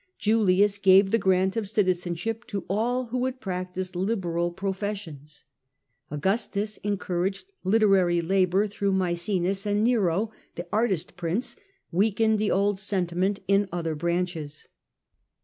Julius gave the grant of citizenship to all who would practise liberal professions ; Au gustus encouraged literary labour through Maecenas ; and Nero, the artist prince, weak ened the old sentiment in other branches.